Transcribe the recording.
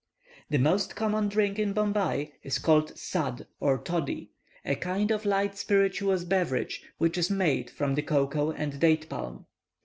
The most common drink in Bombay is called sud or toddy, a kind of light spirituous beverage which is made from the cocoa and date palm.